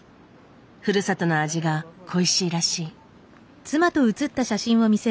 ふるさとの味が恋しいらしい。